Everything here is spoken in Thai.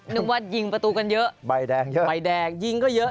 นึกว่ายิงประตูกันเยอะใบแดงเยอะใบแดงยิงก็เยอะ